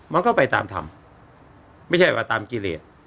มันก็ไปตามธรรมไม่ใช่ว่าตามกิเลส